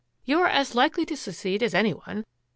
You are as likely to succeed as any one.